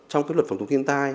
trong luật phòng chống thiên tai